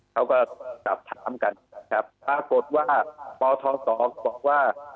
เขาก็สับถามกันปรากฏว่าปทศบอกว่า